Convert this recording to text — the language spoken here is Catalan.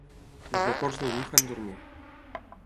Els vapors del vi fan dormir.